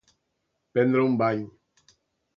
Prendre un bany.